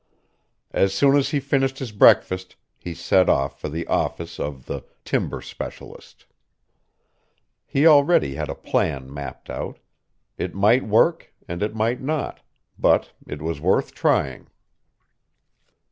As soon as he finished his breakfast he set off for the office of the "Timber Specialist." He already had a plan mapped out. It might work and it might not, but it was worth trying.